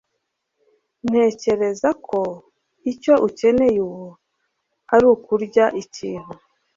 Ntekereza ko icyo ukeneye ubu ari ukurya ikintu.